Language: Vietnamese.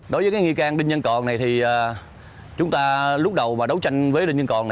đối với nghi can đinh nhân còn này thì chúng ta lúc đầu đấu tranh với đinh nhân còn